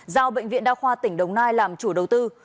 giao bệnh viện đa khoa tỉnh đồng nai làm chủ đầu tư